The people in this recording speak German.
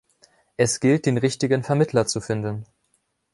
Es gilt, den richtigen Vermittler zu finden.